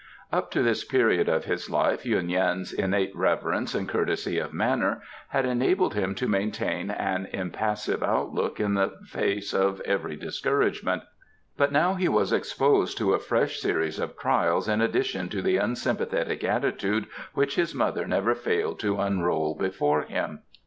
Up to this period of his life Yuen Yan's innate reverence and courtesy of manner had enabled him to maintain an impassive outlook in the face of every discouragement, but now he was exposed to a fresh series of trials in addition to the unsympathetic attitude which his mother never failed to unroll before him.